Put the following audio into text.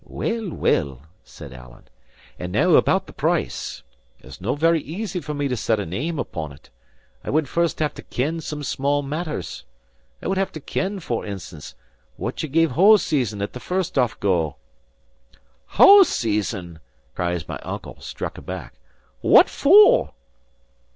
"Well, well," said Alan, "and now about the price. It's no very easy for me to set a name upon it; I would first have to ken some small matters. I would have to ken, for instance, what ye gave Hoseason at the first off go?" "Hoseason!" cries my uncle, struck aback. "What for?"